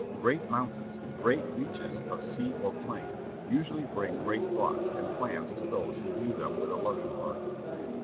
Great mountains, great reaches of sea or plain, usually bring great thoughts and plans to those who view them with a loving heart.